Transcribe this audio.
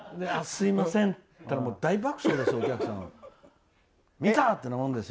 すみませんと思ったら大爆笑ですよ、お客さん。